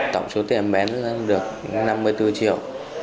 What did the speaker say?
tổng số tiền em bán được năm mươi bốn triệu